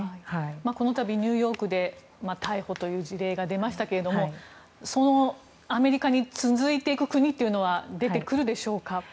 この度、ニューヨークで逮捕という事例が出ましたけれどもアメリカに続いていく国は出てくるでしょうか。